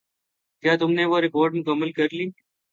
کیا تم نے وہ رپورٹ مکمل کر لی؟